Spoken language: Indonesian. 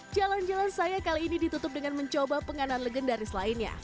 jalan jalan saya kali ini ditutup dengan mencoba penganan legendaris lainnya